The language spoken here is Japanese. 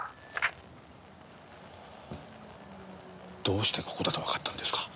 どうしてここだとわかったんですか？